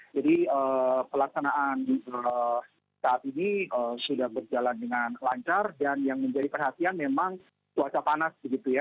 jadi pelaksanaan saat ini sudah berjalan dengan lancar dan yang menjadi perhatian memang cuaca panas begitu ya